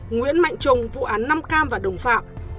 nguyễn mạnh trùng vụ án nam cam và đồng phạm